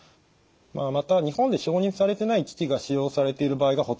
また日本で承認されてない機器が使用されている場合がほとんどです。